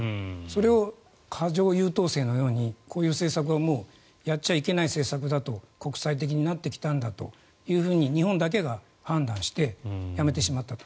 それを過剰優等生のようにこういう政策はやっちゃいけない政策だと国際的になってきたんだというふうに日本だけが判断してやめてしまったと。